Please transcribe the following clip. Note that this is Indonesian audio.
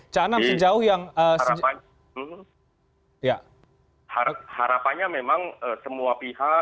jadi harapannya memang semua pihak